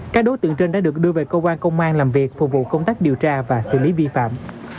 các đối tượng trên đã được đưa về cơ quan công an làm việc phục vụ công tác điều tra và xử lý vi phạm